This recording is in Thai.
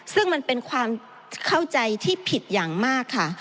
ซึ่งมันเป็นความเข้าใจที่ผิดอย่างมากค่ะ